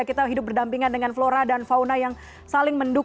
kita hidup berdampingan dengan flora dan fauna yang saling mendukung